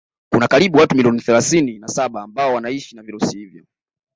Kuna karibu watu milioni thalathini na saba ambao wanaishi na virusi hivyo